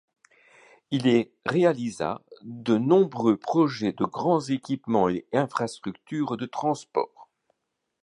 Il y réalisera de nombreux projets de grands équipements et infrastructures de transport.